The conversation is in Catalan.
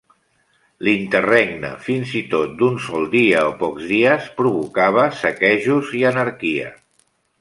L'interregne, fins i tot d'un sol dia o pocs dies, provocava saquejos i anarquia.